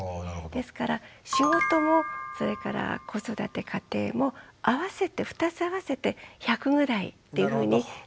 ですから仕事もそれから子育て家庭も合わせて２つ合わせて１００ぐらいっていうふうに考えたらいいと思うんです。